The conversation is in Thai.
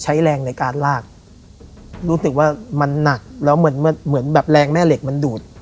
ใช้แรงในการลากรู้สึกว่ามันหนักแล้วเหมือนเหมือนแบบแรงแม่เหล็กมันดูด